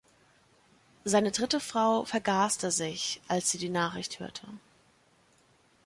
Seine dritte Frau vergaste sich, als sie die Nachricht hörte.